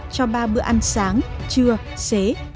cho ba bữa ăn sáng trưa sáng